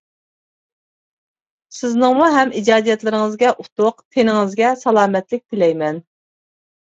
سىزنىڭمۇ ھەم ئىجادىيەتلىرىڭىزگە ئۇتۇق، تېنىڭىزگە سالامەتلىك تىلەيمەن!